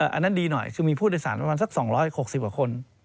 อันนั้นดีหน่อยคือมีผู้โดยสารประมาณสัก๒๖๐กว่าคน